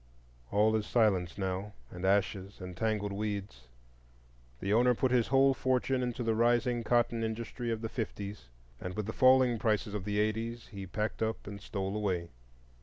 All is silence now, and ashes, and tangled weeds. The owner put his whole fortune into the rising cotton industry of the fifties, and with the falling prices of the eighties he packed up and stole away.